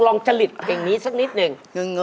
ลองจริตเป็นอย่างนี้สักนิดนึง